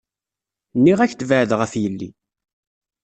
Nniɣ-ak-d beɛɛed ɣef yelli.